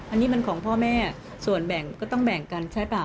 อันนี้มันของพ่อแม่ส่วนแบ่งก็ต้องแบ่งกันใช่ป่ะ